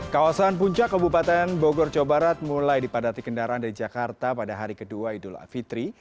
kawasan puncak kabupaten bogor jawa barat mulai dipadati kendaraan dari jakarta pada hari kedua idul afitri